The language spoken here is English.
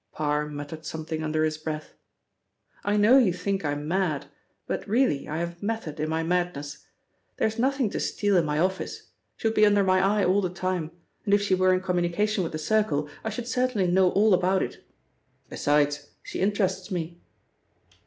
Parr muttered something under his breath. "I know you think I'm mad, but really I have method in my madness. There is nothing to steal in my office; she would be under my eye all the time, and if she were in communication with the Circle, I should certainly know all about it. Besides, she interests me."